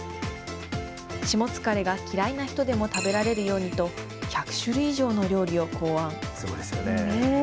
しもつかれが嫌いな人でも食べられるようにと、１００種類以上の料理を考案。